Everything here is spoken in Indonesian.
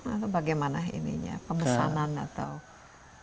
atau bagaimana ininya pemesanan atau